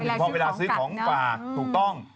พอเวลาซื้อของฝากถูกต้อง